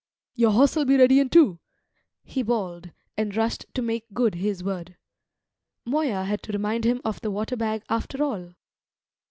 "Your horse'll be ready in two!" he bawled, and rushed to make good his word. Moya had to remind him of the water bag after all.